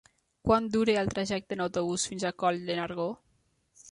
Quant dura el trajecte en autobús fins a Coll de Nargó?